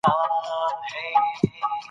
اداري بدلون د نظام عمر زیاتوي